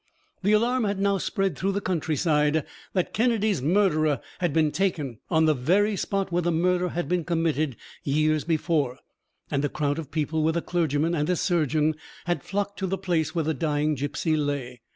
The alarm had now spread through the countryside that Kennedy's murderer had been taken on the very spot where the murder had been committed years before; and a crowd of people, with a clergyman and a surgeon, had flocked to the place where the dying gipsy lay.